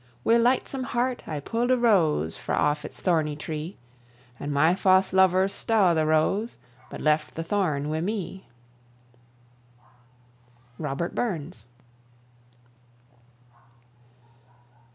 Wi' lightsome heart I pu'd a rose Frae off its thorny tree; And my fause luver staw the rose, But left the thorn wi' me. ROBERT BURNS.